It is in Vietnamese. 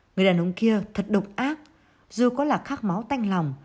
người đàn ông kia thật độc ác dù có là khắc máu tanh lòng